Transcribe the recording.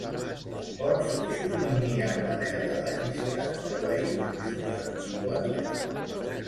Em pots suprimir el Manel de la llista de veïns susceptibles?